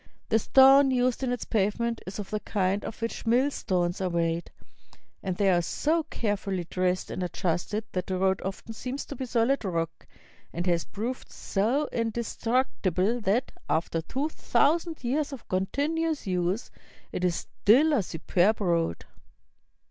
The stone used in its pavement is of the kind of which millstones are made, and they are so carefully dressed and adjusted that the road often seems to be solid rock, and has proved so indestructible that, after two thousand years of continuous use, it is still a su perb road.